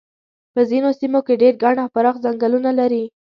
په ځینو سیمو کې ډېر ګڼ او پراخ څنګلونه لري.